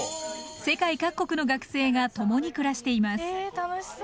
世界各国の学生が共に暮らしています。